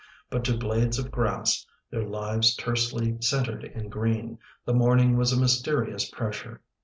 But, to blades of grass, their lives tersely centered in green, the morning was a mysterious pressure.